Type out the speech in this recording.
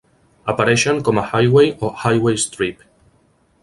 Apareixen com a "Highway" o "Highway Strip".